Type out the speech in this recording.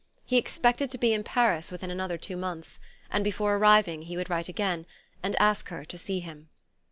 He expected to be in Paris within another two months, and before arriving he would write again, and ask her to see him.